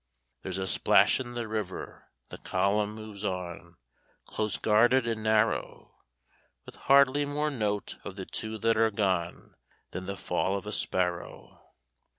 There's a splash in the river the column moves on, Close guarded and narrow, With hardly more note of the two that are gone Than the fall of a sparrow.